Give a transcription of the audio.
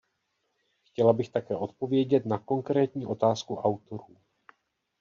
Chtěla bych také odpovědět na konkrétní otázku autorů.